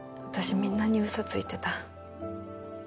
みんなに嘘ついてた。